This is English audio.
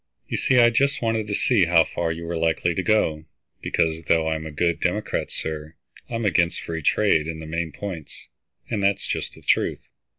"You see I just wanted to see how far you were likely to go, because, though I'm a good Democrat, sir, I'm against free trade in the main points, and that's just the truth.